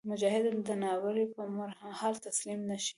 مجاهد د ناورین پر مهال تسلیم نهشي.